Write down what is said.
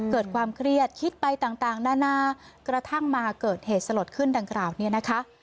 เกิดความเครียดคิดไปต่างนานากระทั่งมาเกิดเหตุสลดขึ้นดังกล่าวเนี่ยนะคะ